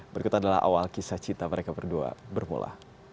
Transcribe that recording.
berikut adalah awal kisah cinta mereka berdua bermula